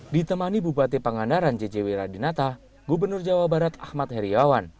ditemani bupati pangandaran jc wiradinata gubernur jawa barat ahmad heriawan